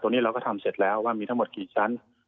นี้เราก็ทำเสร็จแล้วว่ามีทั้งหมดกี่ชั้น